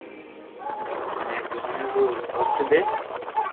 مني جوڻيا رو وقت دي